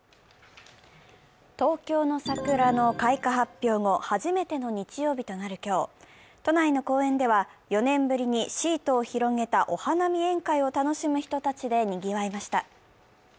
東京の桜の開花発表後、初めての日曜日となる今日、都内の公園では４年ぶりにシートを広げたお花見宴会を楽しむ人たちでにぎわいました。